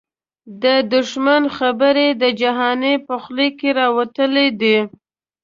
د دښمن خبري د جهانی په خوله راوتلی دې